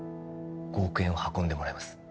５億円を運んでもらいます